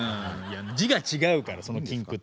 字が違うからその禁句と。